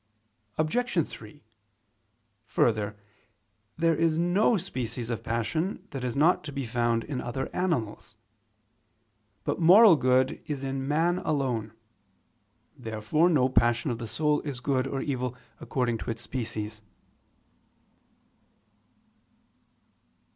Obj. 3: Further, there is no species of passion that is not to be found in other animals. But moral good is in man alone. Therefore no passion of the soul is good or evil according to its species.